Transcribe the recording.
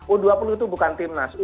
u dua puluh itu bukan timnas u